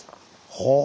はあ。